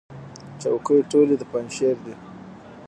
چوکۍ ټولې د پنجشیر دي.